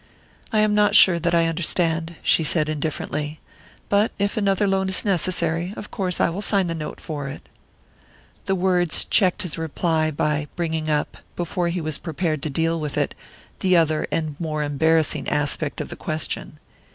"I am not sure that I understand," she said indifferently; "but if another loan is necessary, of course I will sign the note for it." The words checked his reply by bringing up, before he was prepared to deal with it, the other and more embarrassing aspect of the question.